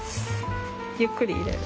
ゆっくり入れる。